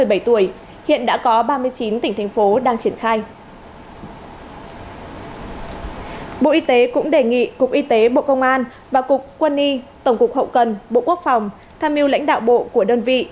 bộ y tế cũng đề nghị cục y tế bộ công an và cục quân y tổng cục hậu cần bộ quốc phòng tham mưu lãnh đạo bộ của đơn vị